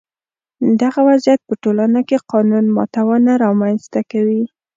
دغه وضعیت په ټولنه کې قانون ماتونه رامنځته کوي.